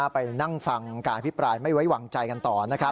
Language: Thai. ไปนั่งฟังการอภิปรายไม่ไว้วางใจกันต่อ